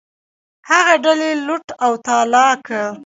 هغه ډیلي لوټ او تالا کړ.